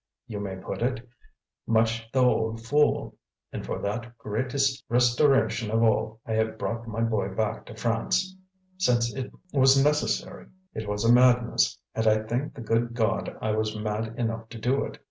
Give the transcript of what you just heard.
You may put it: much the old fool! And for that greates' restoration of all I have brought my boy back to France; since it was necessary. It was a madness, and I thank the good God I was mad enough to do it.